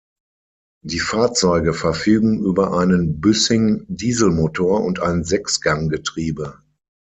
Die Fahrzeuge verfügen über einen Büssing-Dieselmotor und ein Sechs-Gang-Getriebe.